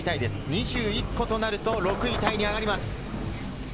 ２１個となると６位タイに上がります。